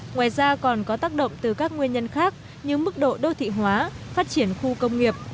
ngoài ra còn có tác động từ các nguyên nhân khác như mức độ đô thị hóa phát triển khu công nghiệp